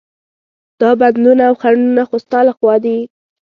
دا بندونه او خنډونه خو ستا له خوا دي.